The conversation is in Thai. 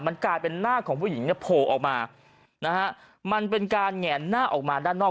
มันกลายเป็นหน้าของผู้หญิงเนี่ยโผล่ออกมานะฮะมันเป็นการแหงหน้าออกมาด้านนอก